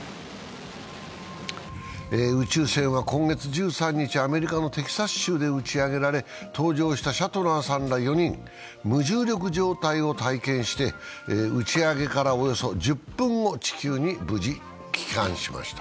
宇宙船は今月１３日、アメリカのテキサス州で打ち上げられ、搭乗したシャトナーさんら４人は無重力状態を体験して打ち上げからおよそ１０分後、地球に無事帰還しました。